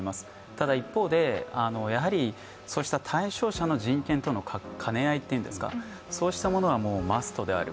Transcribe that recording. ただ一方で、そうした対象者の人権との兼ね合いというんですか、そうしたものは、もうマストである。